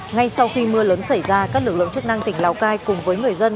ngay sau khi mưa lớn xảy ra các lực lượng chức năng tỉnh lào cai cùng với người dân